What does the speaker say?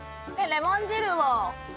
レモン汁。